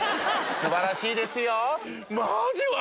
素晴らしいですよ。